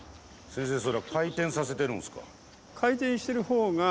先生それは回転させてるんですか？